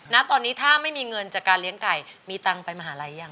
ณตอนนี้ถ้าไม่มีเงินจากการเลี้ยงไก่มีตังค์ไปมหาลัยยัง